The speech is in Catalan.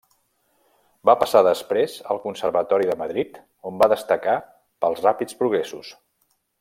Va passar després al conservatori de Madrid on va destacar pels ràpids progressos.